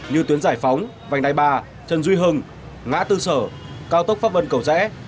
như tuyến giải phóng vành đai ba trần duy hưng ngã tư sở cao tốc pháp vân cầu rẽ